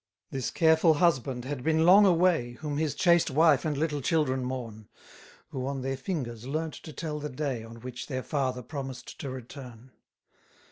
34 This careful husband had been long away, Whom his chaste wife and little children mourn; Who on their fingers learn'd to tell the day On which their father promised to return.